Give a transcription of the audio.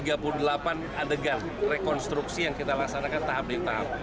adegan rekonstruksi yang kita laksanakan tahap tahap